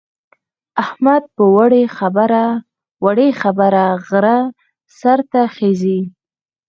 احمد په وړې خبره غره سر ته خېژي.